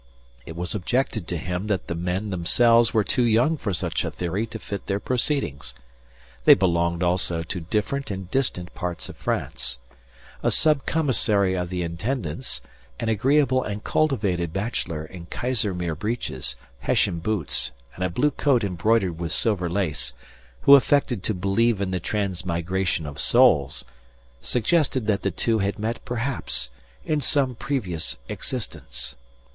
It was objected to him that the men themselves were too young for such a theory to fit their proceedings. They belonged also to different and distant parts of France. A subcommissary of the Intendence, an agreeable and cultivated bachelor in keysermere breeches, Hessian boots and a blue coat embroidered with silver lace, who affected to believe in the transmigration of souls, suggested that the two had met perhaps in some previous existence.